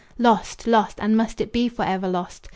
Lost! lost! and must it be forever lost?